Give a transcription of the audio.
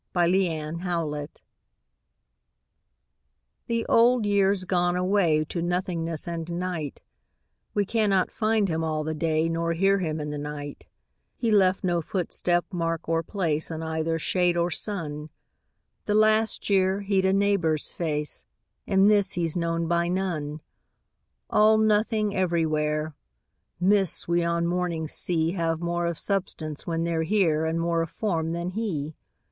The Old Year The Old Year's gone away To nothingness and night: We cannot find him all the day Nor hear him in the night: He left no footstep, mark or place In either shade or sun: The last year he'd a neighbour's face, In this he's known by none. All nothing everywhere: Mists we on mornings see Have more of substance when they're here And more of form than he.